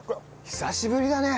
久しぶりだね。